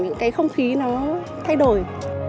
những cái không khí nó thay đổi